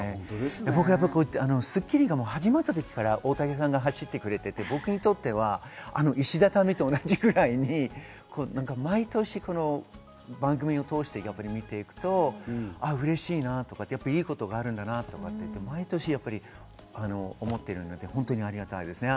僕は『スッキリ』が始まった時から大竹さんが走ってくれてて、僕にとっては石畳と同じぐらいに毎年、番組を通して見ていくと、うれしいなとか、いいことがあるんだなって毎年、思っているので、本当にありがたいです。